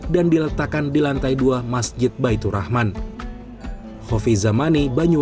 dan diletakkan di lantai dua masjid baitur rahman